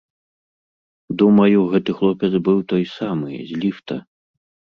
Думаю, гэты хлопец быў той самы, з ліфта.